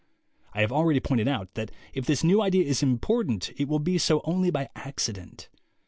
I have already pointed out that if this new idea is important it will be so only by accident.